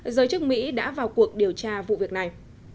giới chức mỹ đã vào cuộc điều tra vụ việc này